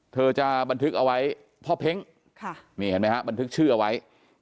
เธอจะบันทึกเอาไว้พ่อเพ้งนี่เห็นไหมฮะบันทึกชื่อเอาไว้